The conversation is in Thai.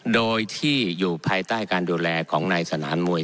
โดยที่อยู่ภายใต้การดูแลของนายสนามมวย